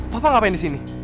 papa ngapain disini